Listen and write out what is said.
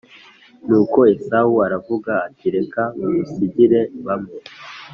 Nuko Esawu aravuga ati reka ngusigire bamwe